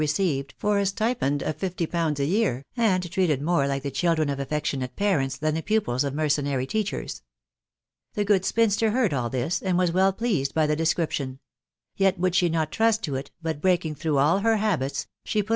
received for a stipend of fifty pounds a year, and treated more like the children of i affectionate tparents^than1 the pupils j of' mercenary teachers.. The good, spinster beard; asL this, and. was well pleased by thei description;; yet would she not trust to it; but breaking, through all. her. banksy sbei pur.